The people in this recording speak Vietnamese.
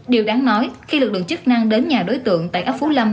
điều đáng nói khi lực lượng chức năng đến nhà đối tượng tại ấp phú lâm